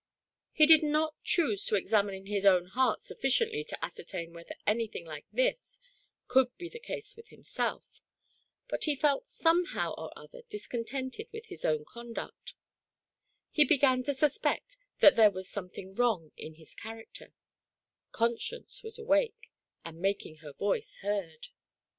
He did not choose to examine his own heart sufficiently to ascertain whether anything like this could be the case with himself, but he felt somehow or other discontented with his own conduct — he began to suspect that there was something wrong in his character ; Conscience was awake, and making her voice heard.